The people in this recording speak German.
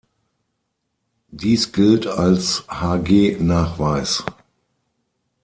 Dies gilt als Hg-Nachweis.